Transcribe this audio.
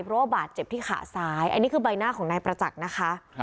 เพราะว่าบาดเจ็บที่ขาซ้ายอันนี้คือใบหน้าของนายประจักษ์นะคะ